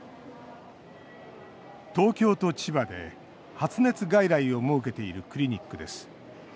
東京と千葉で、発熱外来を設けているクリニックです。